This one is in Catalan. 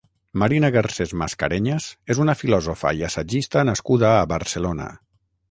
Marina Garcés Mascareñas és una filòsofa i assagista nascuda a Barcelona.